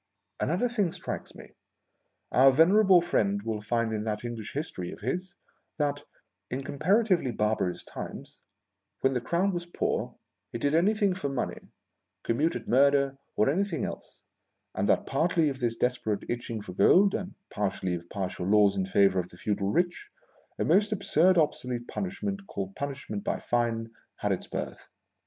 Another thing strikes me. Our venerable friend will find in that English history of his, that, in comparatively barbarous times, when the Crown was poor, it did anything for money — commuted murder, or anything else — and that, partly of this desperate itching for gold, and partly of palatial laws in favor of the feudal rich, a most absurd obsolete punishment, called puaishment by fine, had its birth.